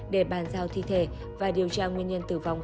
để bàn giao thi thể và điều tra nguyên nhân tử vong